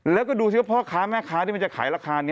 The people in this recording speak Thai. แล้วก็ดูสิว่าพ่อค้าแม่ค้าที่มันจะขายราคา